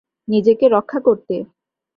নিজেকে রক্ষা করতে।